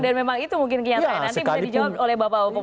dan memang itu mungkin kenyataan nanti bisa dijawab oleh bapak om pembangunan